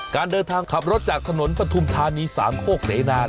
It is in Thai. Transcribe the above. การเดินทางขับรถจากถนนปฐุมธานีสามโคกเสนา